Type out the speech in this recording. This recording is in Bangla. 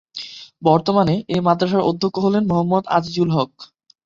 বর্তমানে এই মাদ্রাসার অধ্যক্ষ হলেন মোহাম্মদ আজিজুল হক।